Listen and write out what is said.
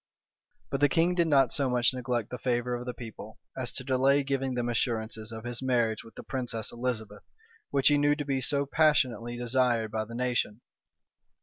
But the king did not so much neglect the favor of the people, as to delay giving them assurances of his marriage with the princess Elizabeth, which he knew to be so passionately desired by the nation.